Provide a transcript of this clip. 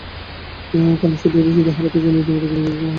কাল স্কটিশদের শুধু হারাতেই চায় না, রীতিমতো গুঁড়িয়ে দিতে চায় বাংলাদেশ।